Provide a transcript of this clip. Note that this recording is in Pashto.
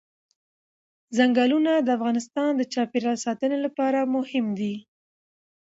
ځنګلونه د افغانستان د چاپیریال ساتنې لپاره مهم دي.